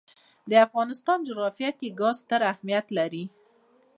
د افغانستان جغرافیه کې ګاز ستر اهمیت لري.